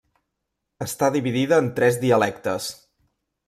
Està dividida en tres dialectes.